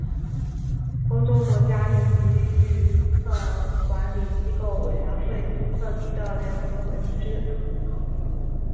欧洲国家顶级域注册管理机构委员会注册局的联合组织。